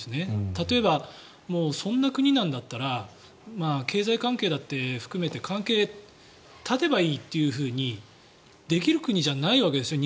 例えばそんな国なんだったら経済関係だって含めて関係を絶てばいいというふうにできる国じゃないわけですよね